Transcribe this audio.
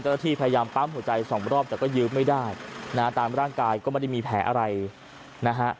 ที่พยายามปั๊มหัวใจสองรอบแต่ก็ยื้อไม่ได้นะฮะตามร่างกายก็ไม่ได้มีแผลอะไรนะฮะ